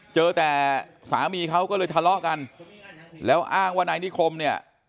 เจอแต่สามีเขาก็เลยทะเลาะกันแล้วอ้างว่านายนิคมเนี่ย